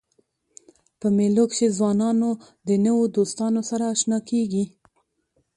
په مېلو کښي ځوانان د نوو دوستانو سره اشنا کېږي.